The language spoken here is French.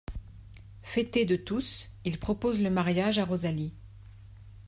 Fêté de tous, il propose la mariage à Rosalie.